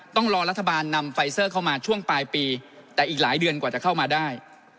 ต้องรอรัฐบาลนำไฟเซอร์เข้ามาช่วงปลายปีแต่อีกหลายเดือนกว่าจะเข้ามาได้